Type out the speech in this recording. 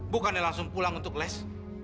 bukannya langsung pulang untuk les